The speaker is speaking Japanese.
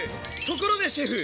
ところでシェフ。